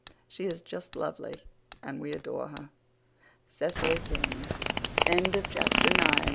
She is just lovely and we adore her.) CECILY KING. CHAPTER X. DISAPP